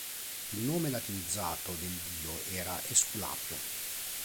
Il nome latinizzato del dio era Esculapio.